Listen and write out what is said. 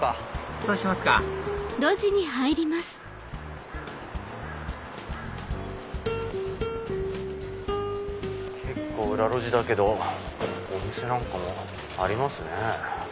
そうしますか結構裏路地だけどお店なんかもありますね。